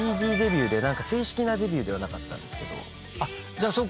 ＣＤデビューで正式なデビューではなかったんですけど。